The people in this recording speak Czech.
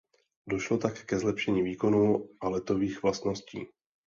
Došlo tak ke zlepšení výkonů a letových vlastností.